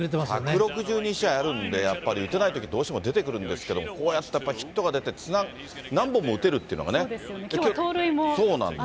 １６２試合あるんで、やっぱり打てないとき、どうしても出てくるんですけど、こうやってヒットが出て、何本も打てるっていうきょう、そうなんです。